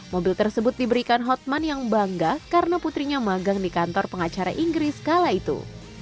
mobil tersebut diberikan hotman yang bangga karena putrinya magang di kantor pengacara inggris kala itu